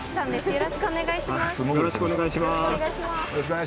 よろしくお願いします。